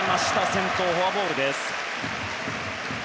先頭、フォアボール。